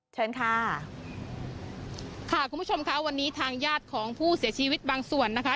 เชิญค่ะค่ะคุณผู้ชมค่ะวันนี้ทางญาติของผู้เสียชีวิตบางส่วนนะคะ